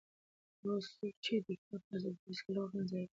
هغه څوک چې د کتاب په ارزښت پوهېږي هېڅکله وخت نه ضایع کوي.